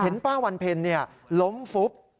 เห็นป้าวรรณเพลินล้มฟุบ